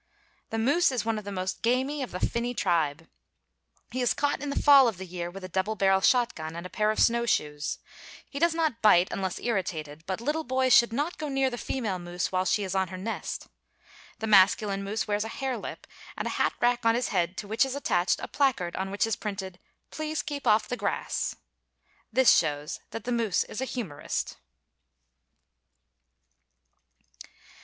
The moose is one of the most gamey of the finny tribe. He is caught in the fall of the year with a double barrel shotgun and a pair of snow shoes. He does not bite unless irritated, but little boys should not go near the female moose while she is on her nest. The masculine moose wears a harelip, and a hat rack on his head to which is attached a placard on which is printed: PLEASE KEEP OFF THE GRASS. This shows that the moose is a humorist.